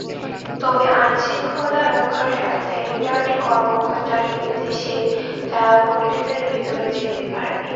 তবে আইনশৃঙ্খলা রক্ষার স্বার্থে রিটার্নিং কর্মকর্তার নির্দেশে তারা ভোটকেন্দ্রের ভেতরে যেতে পারবে।